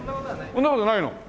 そんな事ないの？